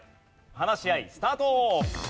話し合いスタート！